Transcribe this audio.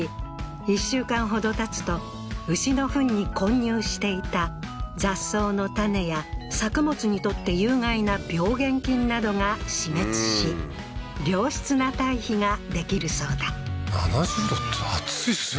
１週間ほどたつと牛のふんに混入していた雑草の種や作物にとって有害な病原菌などが死滅し良質な堆肥ができるそうだ７０℃って熱いですよね